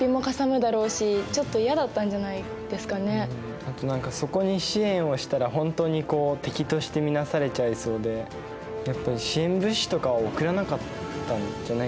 あと何かそこに支援をしたらほんとに敵としてみなされちゃいそうでやっぱり支援物資とかを送らなかったんじゃないかなと思うな。